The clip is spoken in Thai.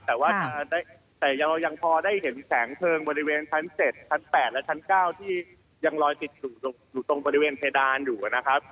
แต่ว่าแต่ยังพอได้เห็นแสงเพลิงบริเวณชั้น๗ชั้น๘และชั้น๙ที่ยังลอยติดอยู่ตรงบริเวณเพดานอยู่นะครับ